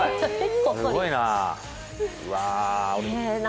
すごいな。